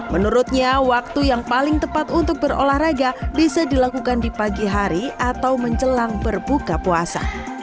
menurutnya waktu yang paling tepat untuk berolahraga bisa dilakukan di pagi hari atau menjelang berbuka puasa